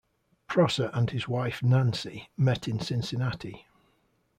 Prosser and his wife Nancy met in Cincinnati.